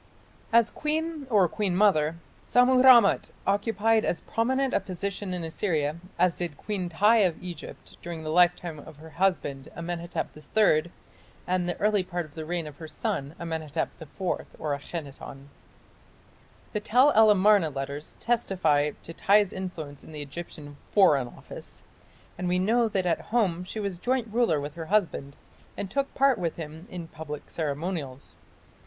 As queen or queen mother, Sammu rammat occupied as prominent a position in Assyria as did Queen Tiy of Egypt during the lifetime of her husband, Amenhotep III, and the early part of the reign of her son, Amenhotep IV (Akhenaton). The Tell el Amarna letters testify to Tiy's influence in the Egyptian "Foreign Office", and we know that at home she was joint ruler with her husband and took part with him in public ceremonials.